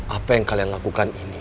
apa yang kalian lakukan ini